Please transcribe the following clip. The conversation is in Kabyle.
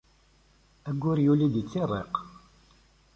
Ayyur yuli-d yettirriq.